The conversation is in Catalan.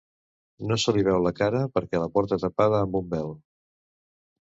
No se li veu la cara perquè la porta tapada amb un vel.